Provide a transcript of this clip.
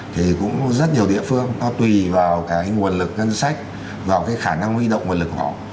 thì cũng rất nhiều địa phương nó tùy vào cái nguồn lực ngân sách vào cái khả năng huy động nguồn lực của họ